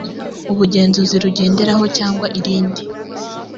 ubugenzuzi rugenderaho cyangwa irindi